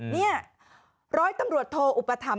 นี่ร้อยตำรวจโทอุปถัมภ